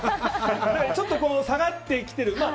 ちょっと下がってきてる。